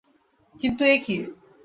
কিন্তু এ কী।